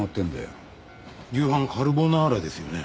夕飯カルボナーラですよね。